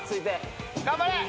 ・頑張れ。